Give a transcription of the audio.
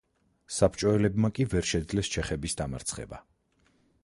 საბჭოელებმა კი ვერ შეძლეს ჩეხების დამარცხება.